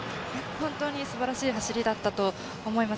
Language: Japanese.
本当にすばらしい走りだったと思います。